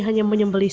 hanya menyembelih enam